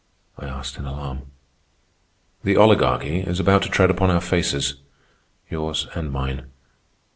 I asked in alarm. "The Oligarchy is about to tread upon our faces—yours and mine.